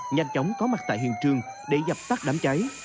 nhanh chóng có mặt tại hiện trường để dập tắt đám cháy